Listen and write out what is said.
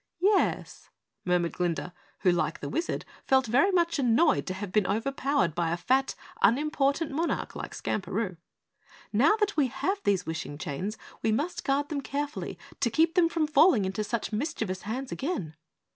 "Yes," murmured Glinda, who, like the Wizard, felt very much annoyed to have been overpowered by a fat, unimportant monarch like Skamperoo. "Now that we have these wishing chains, we must guard them carefully to keep them from falling into such mischievous hands again."